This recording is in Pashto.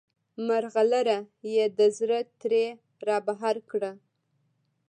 مرغلره یې د زړه ترې رابهر کړه.